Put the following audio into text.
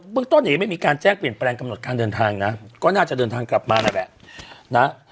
เรื่องต้นยังไม่มีการแจ้งเปลี่ยนแปลงกำหนดการเดินทางนะก็น่าจะเดินทางกลับมานั่นแหละนะ